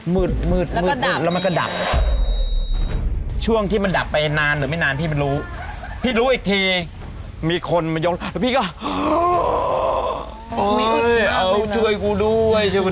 มืดแล้วก็ดับแล้วมันก็ดับ